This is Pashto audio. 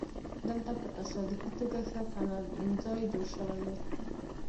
دلته په تصادفي توګه ښه پناه ځای جوړ شوی دی